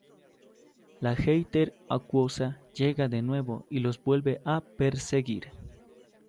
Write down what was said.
La Heather-acuosa llega de nuevo y los vuelve a perseguir.